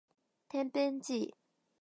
てんぺんちい